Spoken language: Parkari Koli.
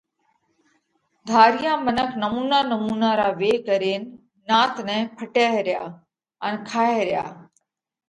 ڌاريا منک نمُونا نمُونا را ويه ڪرينَ نات نئہ ڦٽئه ريا ان کائه ريا۔